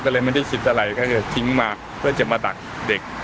ก็เลยไม่ได้คิดอะไรก็จะทิ้งมาเพื่อจะมาดักเด็ก